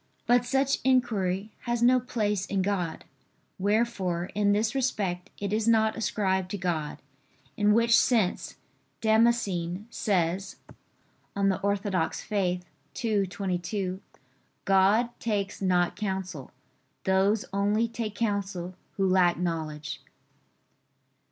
But such inquiry has no place in God; wherefore in this respect it is not ascribed to God: in which sense Damascene says (De Fide Orth. ii, 22): "God takes not counsel: those only take counsel who lack knowledge."